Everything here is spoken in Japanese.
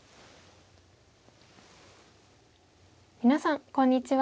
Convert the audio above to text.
皆さんこんにちは。